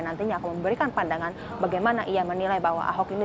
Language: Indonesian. nantinya akan memberikan pandangan bagaimana ia menilai bahwa ahok ini